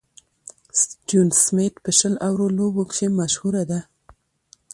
ستيون سميټ په شل اورو لوبو کښي مشهوره ده.